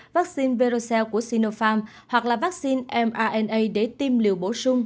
vaccine verocell của sinopharm hoặc là vaccine mrna để tiêm liều bổ sung